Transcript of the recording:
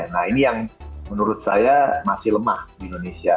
nah ini yang menurut saya masih lemah di indonesia